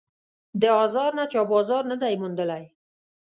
د آزار نه چا بازار نه دی موندلی